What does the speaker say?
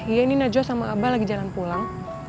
iya ini najwa sama abah lagi jalan pulang